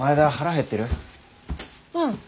うん。